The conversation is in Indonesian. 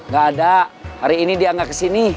gak ada hari ini dia nggak kesini